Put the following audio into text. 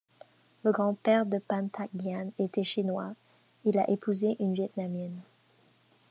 Le grand-père de Phan Thanh Giản était chinois, et il a épousé une Vietnamienne.